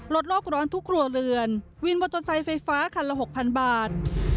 โลกร้อนทุกครัวเรือนวินมอเตอร์ไซค์ไฟฟ้าคันละ๖๐๐๐บาท